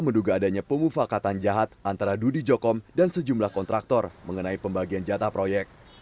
pembangunan proyek ini adalah sebuah perpakatian jahat antara dudi jokom dan sejumlah kontraktor mengenai pembagian jatah proyek